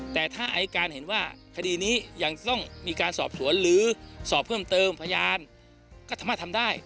แต่ถ้าอายการเห็นว่าคดีนี้ยังต้องมีการสอบสวนหรือสอบเพิ่มเติมพยานก็สามารถทำได้